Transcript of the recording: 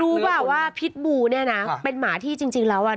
ป่ะว่าพิษบูเนี่ยนะเป็นหมาที่จริงแล้วอ่ะ